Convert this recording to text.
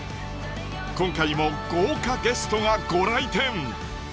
今回も豪華ゲストがご来店。